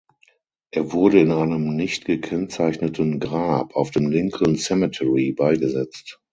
Er wurde in einem nicht gekennzeichneten Grab auf dem Lincoln Cemetery beigesetzt.